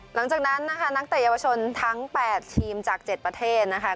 หลังจากนั้นนะคะนักเตะเยาวชนทั้ง๘ทีมจาก๗ประเทศนะคะ